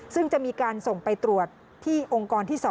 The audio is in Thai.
ซึ่งจะมีการส่งไปตรวจที่องค์กรที่๒